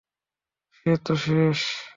সে তো শেষ।